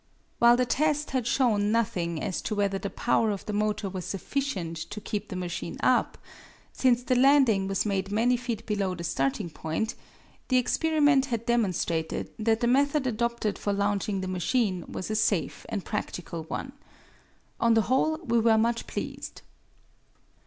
While the test had shown nothing as to whether the power of the motor was sufficient to keep the machine up, since the landing was made many feet below the starting point, the experiment had demonstrated that the method adopted for launching the machine was a safe and practical one. On the whole, we were much pleased.